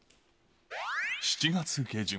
７月下旬。